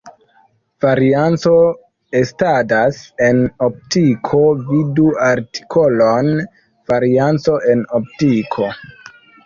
Varianco estadas en optiko, vidu artikolon varianco en optiko.